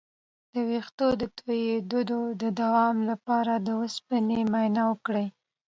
د ویښتو د تویدو د دوام لپاره د اوسپنې معاینه وکړئ